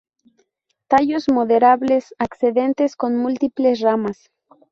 Tallos maderables ascendentes con múltiples ramas.